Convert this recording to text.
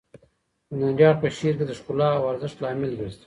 هنري اړخ په شعر کې د ښکلا او ارزښت لامل ګرځي.